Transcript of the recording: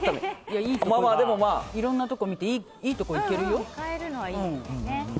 まあ、いろんなところ見ていいところいけるよ。